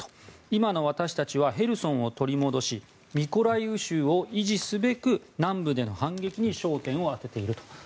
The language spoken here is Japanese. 今の私たちはヘルソンを取り戻しミコライウ州を維持すべく南部での反撃に焦点を当てていると。